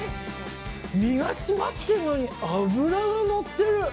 身が締まっているのに脂がのっている。